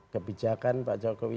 kebijakan pak jokowi